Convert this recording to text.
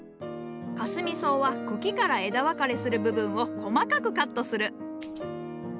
かすみ草は茎から枝分かれする部分を細かくカットする。